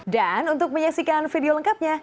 dan untuk menyaksikan video lengkapnya